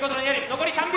残り３秒。